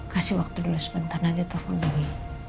kasih waktu dulu sebentar nanti telfon lagi